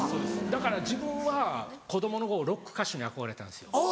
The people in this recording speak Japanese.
だから自分は子供の頃ロック歌手に憧れたんですよ。